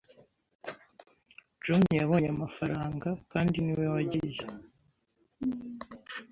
John yabonye amafaranga kandi niwe wagiye